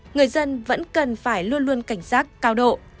người dân vẫn cần phải luôn luôn cảnh giác cao độ